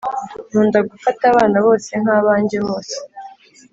Nkunda gufata abana bose nka abanjye bose